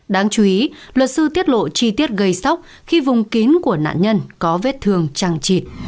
đáng chú ý luật sư tiết lộ chi tiết gây sóc khi vùng kín của nạn nhân có vết thương trang trị